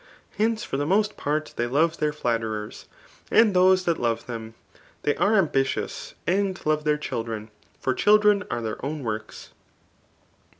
Hence, for the most part they love their flatterers, and those that love them ; they are ambitious, and love their children ; for children are their own works.